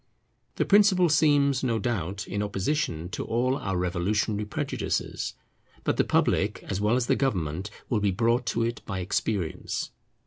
The principle seems, no doubt, in opposition to all our revolutionary prejudices. But the public, as well as the government, will be brought to it by experience.